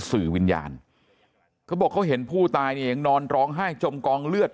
สื่อวิญญาณเขาบอกเขาเห็นผู้ตายนี่เองนอนร้องไห้จมกองเลือด